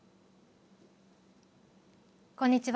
こんにちは。